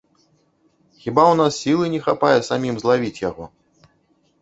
Хіба ў нас сілы не хапае самім злавіць яго?